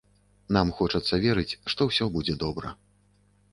Нам хочацца верыць, што ўсё будзе добра.